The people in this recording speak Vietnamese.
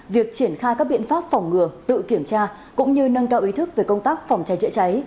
việc triển khai các biện pháp phòng ngừa tự kiểm tra cũng như nâng cao ý thức về công tác phòng cháy chữa cháy